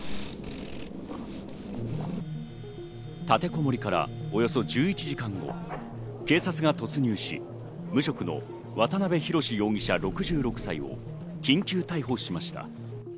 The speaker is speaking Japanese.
立てこもりから、およそ１１時間後、警察が突入し、無職の渡辺宏容疑者、６６歳を緊急逮捕しました。